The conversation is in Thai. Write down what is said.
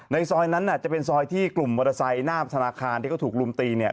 ซอยนั้นจะเป็นซอยที่กลุ่มมอเตอร์ไซค์หน้าธนาคารที่เขาถูกลุมตีเนี่ย